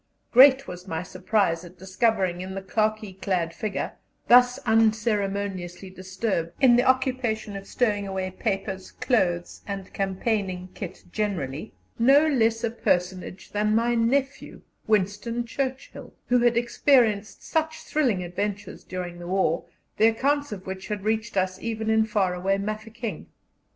Great was my surprise at discovering in the khaki clad figure, thus unceremoniously disturbed in the occupation of stowing away papers, clothes, and campaigning kit generally, no less a personage than my nephew, Winston Churchill, who had experienced such thrilling adventures during the war, the accounts of which had reached us even in far away Mafeking.